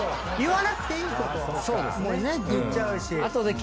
言わなくていいことを言っちゃうし。